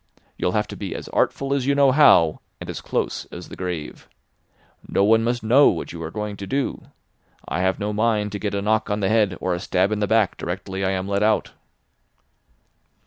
You'll have to be as artful as you know how, and as close as the grave. No one must know what you are going to do. I have no mind to get a knock on the head or a stab in the back directly I am let out."